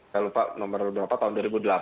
saya lupa nomor berapa tahun dua ribu delapan